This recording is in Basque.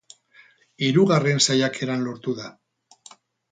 Hirugarren saiakeran lortu da.